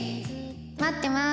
待ってまーす」